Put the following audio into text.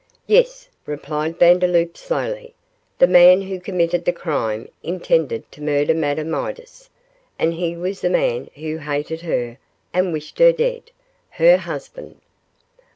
'Yes,' replied Vandeloup, slowly, 'the man who committed the crime intended to murder Madame Midas, and he was the man who hated her and wished her dead her husband.